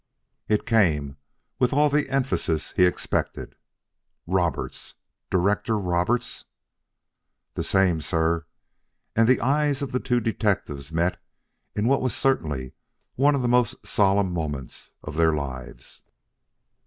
It came with all the emphasis he expected. "Roberts! Director Roberts!" "The same, sir"; and the eyes of the two detectives met in what was certainly one of the most solemn moments of their lives.